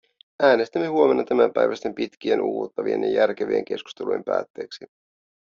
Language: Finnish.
Äänestämme huomenna tämänpäiväisten pitkien, uuvuttavien ja järkevien keskustelujen päätteeksi.